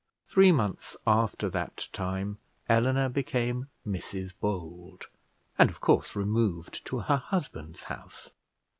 Three months after that time Eleanor became Mrs Bold, and of course removed to her husband's house.